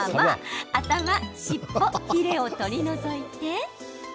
頭、尻尾、ヒレを取り除いて。